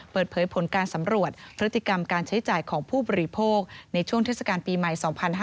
เปิดเผยผลการสำรวจพฤติกรรมการใช้จ่ายของผู้บริโภคในช่วงเทศกาลปีใหม่๒๕๕๙